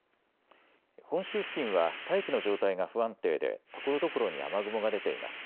本州付近は大気の状態が不安定でところどころに雨雲が出ています。